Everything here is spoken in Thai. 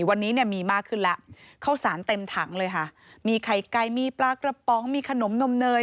วันนี้เนี่ยมีมากขึ้นแล้วข้าวสารเต็มถังเลยค่ะมีไข่ไก่มีปลากระป๋องมีขนมนมเนย